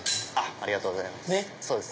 ありがとうございます。